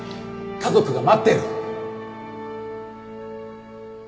家族が待ってる！